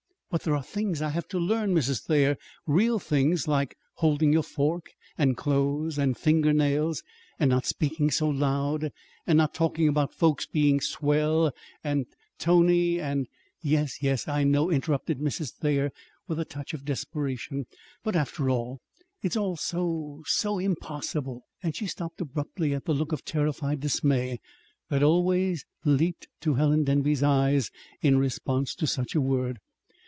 "But there are things I have to learn, Mrs. Thayer, real things, like holding your fork, and clothes, and finger nails, and not speaking so loud, and not talking about 'folks' being 'swell' and 'tony,' and " "Yes, yes, I know," interrupted Mrs. Thayer, with a touch of desperation. "But, after all, it's all so so impossible! And " She stopped abruptly at the look of terrified dismay that always leaped to Helen Denby's eyes in response to such a word.